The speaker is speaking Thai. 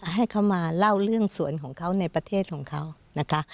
ให้เขามาเล่าเรื่องสวนของเขาในประเทศของเขานะคะ